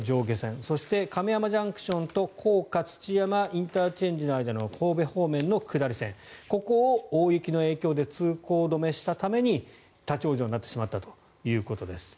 そして亀山ＪＣＴと甲賀土山ＩＣの間の神戸方面の下り線ここを大雪の影響で通行止めしたために立ち往生になってしまったということです。